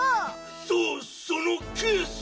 そそのケースを。